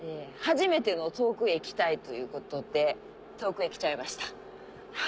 初めての『遠くへ行きたい』ということで遠くへ来ちゃいました。